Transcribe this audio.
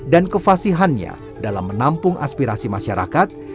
dan kevasihannya dalam menampung aspirasi masyarakat